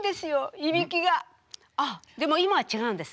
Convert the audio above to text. あっでも今は違うんです。